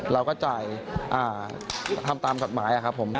เราก็จ่ายทำตามกฎหมายครับผม